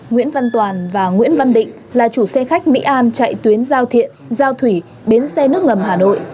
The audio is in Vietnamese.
nguyễn văn toàn và nguyễn văn định là chủ xe khách mỹ an chạy tuyến giao thiện giao thủy bến xe nước ngầm hà nội